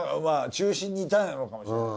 中心にいたのかもしれない。